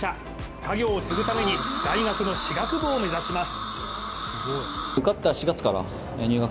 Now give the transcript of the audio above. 家業を継ぐために大学の歯学部を目指します。